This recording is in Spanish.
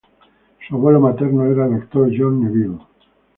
Su abuelo materno era el actor John Neville.